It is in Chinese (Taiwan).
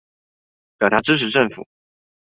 表達支持政府